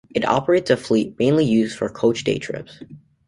It operates a fleet mainly used for coach day-trips.